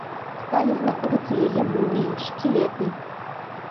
Сталі знаходзіцца яе муміі, шкілеты.